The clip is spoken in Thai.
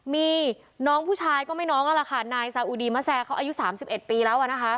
มีน้องผู้ชายก็ไม่น้องก็ละค่ะนายซาอูดีมัสแซเขาอายุ๓๑ปีแล้ว